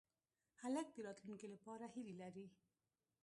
هلک د راتلونکې لپاره هیلې لري.